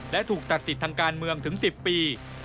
และถูกตัดสิทธิ์ทางการเมืองถึง๑๐ปี